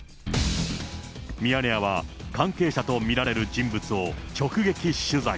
ミヤネ屋は関係者と見られる人物を直撃取材。